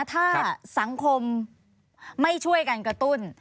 ถ้าสังคมไม่ช่วยกันกระตุ้น